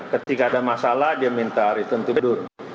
ketika ada masalah dia minta return to door